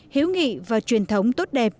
hiếu nghị và truyền thống tốt đẹp